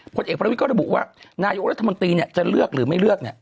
คนเอกพระวิทย์ก็ระบุว่านายกรัฐมนตรีเนี่ยจะเลือกหรือไม่เลือกเนี่ย